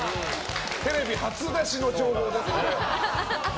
テレビ初出しの情報ですので。